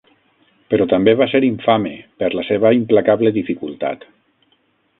Però també va ser infame per la seva implacable dificultat.